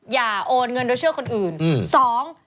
อย่าโอนเงินโดยเชื่อคนอื่นอืม